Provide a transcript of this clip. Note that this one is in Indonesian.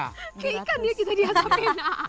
kayak ikan ya kita dihasapin